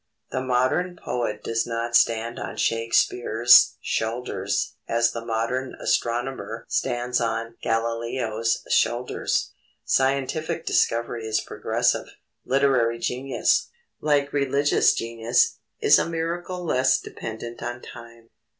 The modern poet does not stand on Shakespeare's shoulders as the modern astronomer stands on Galileo's shoulders. Scientific discovery is progressive. Literary genius, like religious genius, is a miracle less dependent on time.